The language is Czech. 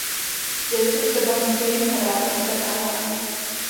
Je-li to třeba, může jim hra být zakázána.